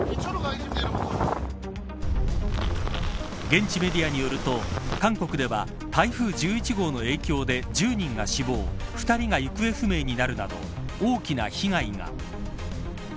現地メディアによると韓国では台風１１号の影響で１０人が死亡２人が行方不明になるなど大きな被害が。